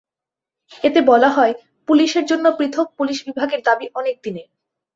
এতে বলা হয়, পুলিশের জন্য পৃথক পুলিশ বিভাগের দাবি অনেক দিনের।